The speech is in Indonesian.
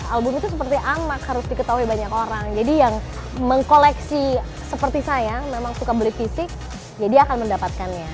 album itu seperti amak harus diketahui banyak orang jadi yang mengkoleksi seperti saya memang suka beli fisik jadi akan mendapatkannya